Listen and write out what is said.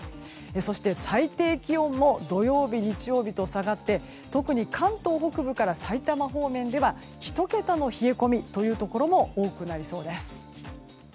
そして、最低気温も土曜日、日曜日と下がって特に関東北部からさいたま方面では１桁の冷え込みというところも多くなりそうです。